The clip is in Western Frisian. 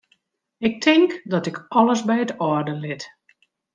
Ik tink dat ik alles by it âlde lit.